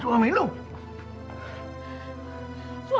lu jangan kurang ajar